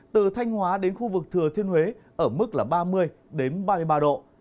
từ thanh hóa đến khu vực thừa thiên huế ở mức là ba mươi ba mươi ba độ